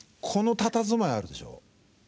このたたずまいあるでしょ？